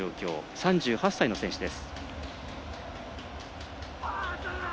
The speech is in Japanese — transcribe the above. ３８歳の選手です。